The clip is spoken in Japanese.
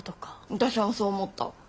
私もそう思った。